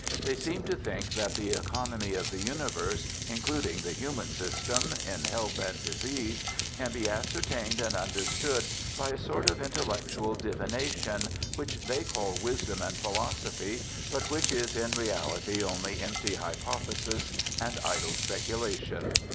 They seem to think that the economy of the universe, including the human system, in health and disease, can be ascertained and understood by a sort of intellectual divina tion, which they call wisdom and philosophy, but which is in reality only empty hypothesis and idle speculation.